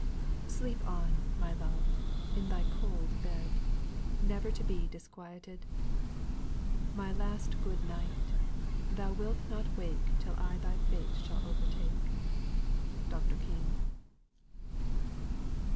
"Sleep on, my love, in thy cold bed, Never to be disquieted! My last Good Night thou wilt not wake Till I thy fate shall overtake." DR. KING.